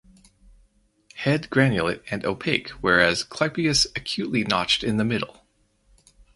Head granulate and opaque whereas clypeus acutely notched in the middle.